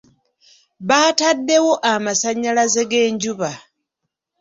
Baataddewo amasannyalaze g'enjuba.